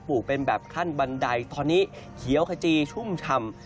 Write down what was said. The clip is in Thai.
ลูกเป็นแบบขั้นบันไดตอนนี้เขียวขจีชุ่มชำ